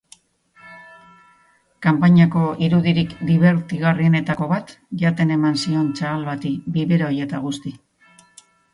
Kanpainako irudirik dibertigarrienetako bat jaten eman zion txahal bati, biberoi eta guzti.